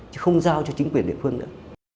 chứ không giao cho chính quyền địa phương nữa